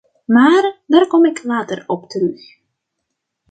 Maar daar kom ik later op terug.